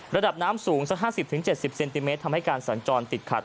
ระดับน้ำสูงสัก๕๐๗๐เซนติเมตรทำให้การสัญจรติดขัด